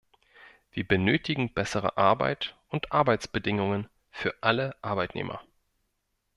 Wir benötigen bessere Arbeit und Arbeitsbedingungen für alle Arbeitnehmer.